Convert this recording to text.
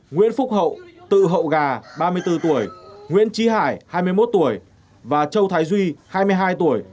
nguyễn phúc hậu tự hậu gà ba mươi bốn tuổi nguyễn trí hải hai mươi một tuổi và châu thái duy hai mươi hai tuổi